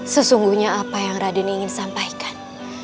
sesungguhnya apa yang raden ingin sampaikan